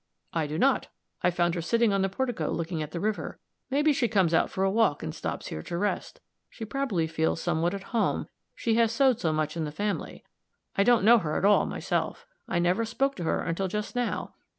"I do not. I found her sitting on the portico looking at the river. Maybe she comes out for a walk and stops here to rest. She probably feels somewhat at home, she has sewed so much in the family. I don't know her at all, myself; I never spoke to her until just now.